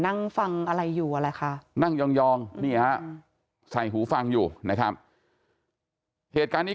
นั่งฟังอะไรค่ะนั่งยองใส่หูฟังอยู่นะครับเหตุการณ์นี้